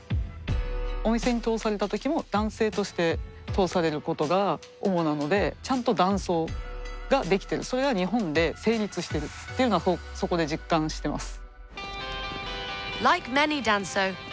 お店に通された時も男性として通されることが主なのでちゃんと男装ができてるそれが日本で成立しているっていうのはそこで実感してます。